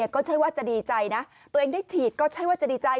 ก็ใช่ว่าจะดีใจนะตัวเองได้ฉีดก็ใช่ว่าจะดีใจ